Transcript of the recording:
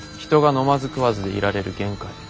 人が飲まず食わずでいられる限界。